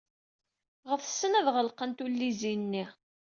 Ɣetsen ad ɣelqen lluzin-nni.